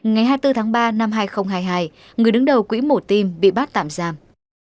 ngày hai mươi bốn tháng ba năm hai nghìn hai mươi hai người đứng đầu quỹ mổ tim bị bắt tạm giam